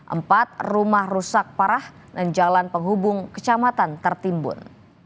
empat rumah rusak parah dan jalan penghubung kecamatan tertimbun